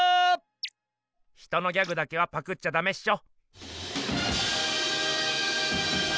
ヒトのギャグだけはパクっちゃダメっしょ。